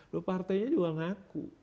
loh partainya juga ngaku